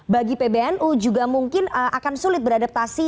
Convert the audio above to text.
bagi pbnu juga mungkin akan sulit beradaptasi